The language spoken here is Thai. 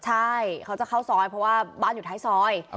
ใช่เขาจะเข้าซอยเพราะว่าบ้านอยู่ท้ายซอย